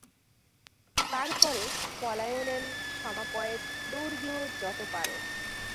তার পরে পলায়নেন সমাপয়েৎ–দৌড় দিয়ো যত পার।